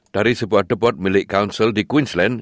dari sebuah debot milik kaunsel di queensland